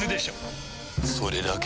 それだけ？